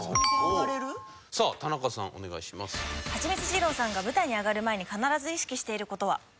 二郎さんが舞台に上がる前に必ず意識している事は？